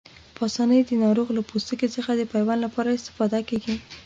په آسانۍ د ناروغ له پوستکي څخه د پیوند لپاره استفاده کېږي.